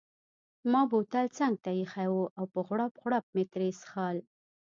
ما بوتل څنګته ایښی وو او په غوړپ غوړپ مې ترې څیښل.